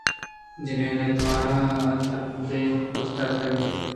جنینے ءِتوار اتکمردمے اوشتاتگ